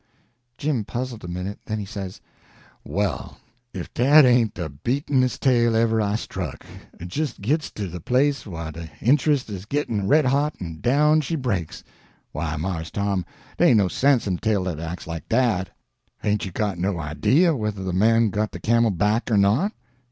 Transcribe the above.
Jim puzzled a minute, then he says: "Well! Ef dat ain't de beatenes' tale ever I struck. Jist gits to de place whah de intrust is gittin' red hot, en down she breaks. Why, Mars Tom, dey ain't no sense in a tale dat acts like dat. Hain't you got no idea whether de man got de camel back er not?"